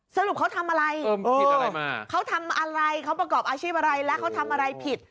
สรุปเขาทำอะไรผิดอะไรมาเขาทำอะไรเขาประกอบอาชีพอะไรและเขาทำอะไรผิด